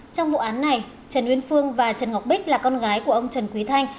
trong vụ án này trần uyên phương và trần ngọc bích là con gái của ông trần quý thanh